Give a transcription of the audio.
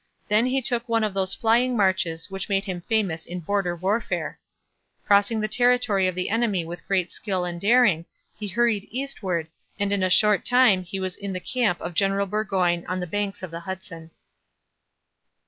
Then he took one of those flying marches which made him famous in border warfare. Crossing the territory of the enemy with great skill and daring, he hurried eastward, and in a short time he was in the camp of General Burgoyne on the banks of the Hudson.